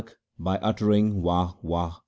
By uttering Wah